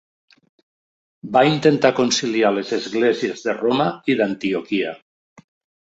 Va intentar conciliar les esglésies de Roma i d'Antioquia.